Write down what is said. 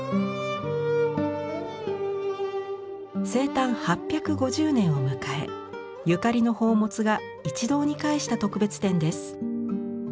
生誕８５０年を迎えゆかりの宝物が一堂に会した特別展です。